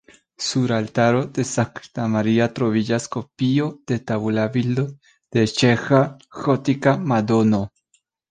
Sur altaro de Sankta Maria troviĝas kopio de tabula bildo de ĉeĥa gotika Madono.